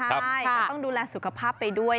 ใช่ก็ต้องดูแลสุขภาพไปด้วย